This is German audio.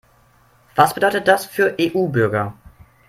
Was bedeutet das für EU-Bürger?